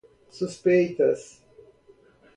suspeitas